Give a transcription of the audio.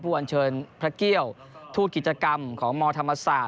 อันเชิญพระเกี่ยวทูตกิจกรรมของมธรรมศาสต